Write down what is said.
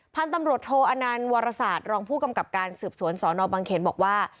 พันธุ์ตำรวจโทอนันต์วรศาสตร์รองผู้กำกับการสืบสวนสนบังเขนบอกว่า